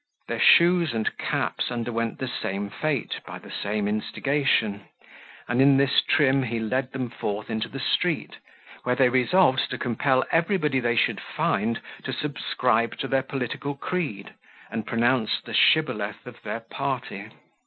Their shoes and caps underwent the same fate by the same instigation, and in this trim he led them forth into the street, where they resolved to compel everybody they should find to subscribe to their political creed, and pronounce the Shibboleth of their party.